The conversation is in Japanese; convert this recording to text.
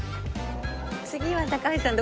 次は高橋さん